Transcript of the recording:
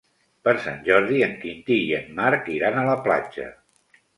Per Sant Jordi en Quintí i en Marc iran a la platja.